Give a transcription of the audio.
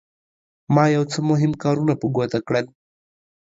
ما یو څو مهم کارونه په ګوته کړل.